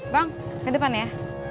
bang ke depan ya